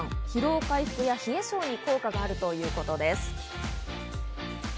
疲労回復や冷え性に効果があるということです。